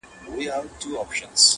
• په دلیل او په منطق ښکلی انسان دی -